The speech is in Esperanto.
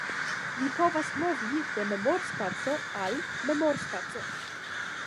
Vi povas movi de memorspaco al memorspaco.